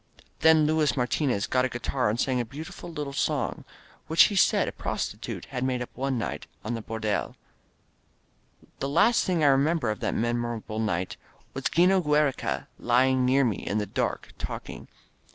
Then Luis Martinez got a guitar and sang a beauti ful little love song, which he said a prostitute had made up one night in a hordeh The last thing I remember of that memorable night was 'Gino Giiereca lying near me in the dark, talking.